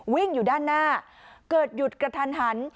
วิ่งอยู่ด้านหน้าเกิดหยุดกระทันหัน